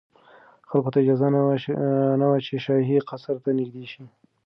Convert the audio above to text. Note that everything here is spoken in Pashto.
خلکو ته اجازه نه وه چې شاهي قصر ته نږدې شي.